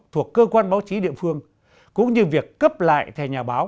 thuộc cơ quan báo chí địa phương cũng như việc cấp lại thẻ nhà báo